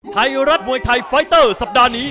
ไทยรัฐมวยไทยไฟเตอร์สัปดาห์นี้